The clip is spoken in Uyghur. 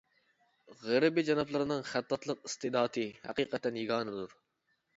غېرىبى جانابلىرىنىڭ خەتتاتلىق ئىستېداتى ھەقىقەتەن يېگانىدۇر.